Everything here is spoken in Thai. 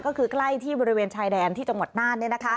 ก็คือใกล้ที่บริเวณชายแดนที่จังหวัดน่าน